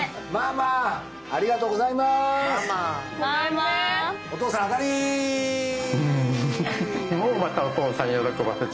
もうまたお父さん喜ばせちゃって。